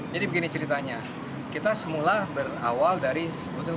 jadi begini ceritanya kita semula berawal dari sebutan laporan